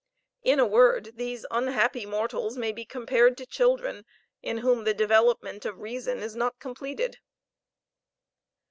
In a word, these unhappy mortals may be compared to children, in whom the development of reason is not completed."